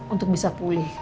untuk bisa pulih